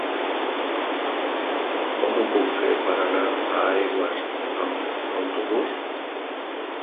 Com ho puc fer per anar a Aigües amb autobús?